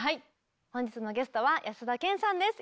本日のゲストは安田顕さんです。